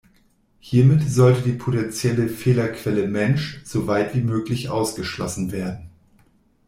Hiermit sollte die potenzielle „Fehlerquelle Mensch“ so weit wie möglich ausgeschlossen werden.